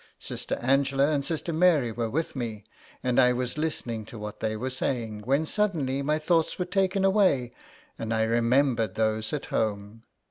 Sister Angela and Sister Mary were with me, and I was listening to what they were saying, when suddenly my thoughts were taken away and I remembered those at home.